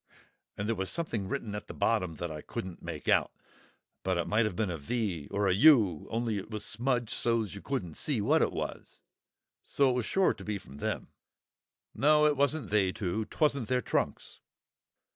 And there was something written at the bottom that I couldn't make out, but it might have been a 'V,' or a 'U,' only it was smudged so's you couldn't see what it was. So it was sure to be from them." "No, it wasn't they two; 'twasn't their trunks."